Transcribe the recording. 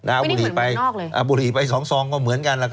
อาบบุหรี่ไปสองซองก็เหมือนกัน